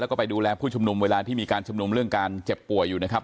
แล้วก็ไปดูแลผู้ชุมนุมเวลาที่มีการชุมนุมเรื่องการเจ็บป่วยอยู่นะครับ